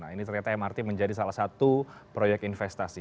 nah ini ternyata mrt menjadi salah satu proyek investasi